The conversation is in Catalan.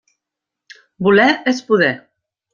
Voler és poder.